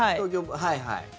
はいはい。